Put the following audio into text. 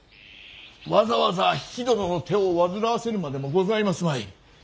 わざわざ比企殿の手を煩わせるまでもございますまい。